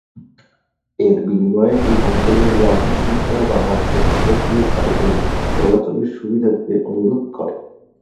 এর বিনিময়ে এই অঞ্চলের রাজনীতিবিদরা বাংলাদেশের ওপর দিয়ে ভারতের চলাচলের সুবিধা দিতে অনুরোধ করে।